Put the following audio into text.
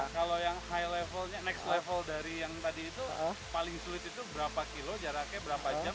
kalau yang high levelnya next level dari yang tadi itu paling sulit itu berapa kilo jaraknya berapa jam